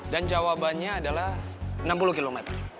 dan jawabannya adalah enam puluh km